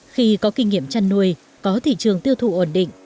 khi có kinh nghiệm chăn nuôi có thị trường tiêu thụ ổn định